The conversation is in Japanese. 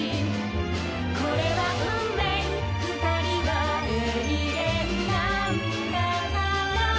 「これは運命二人は永遠なんだから」